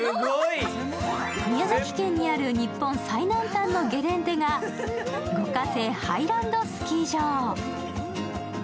宮崎県にある日本最南端のゲレンデが五ヶ瀬ハイランドスキー場。